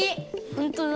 ほんとだ！